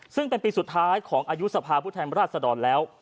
ซึ่งเป็นปีสุดท้ายของอายุสภาพผู้แทนราชดรแล้ว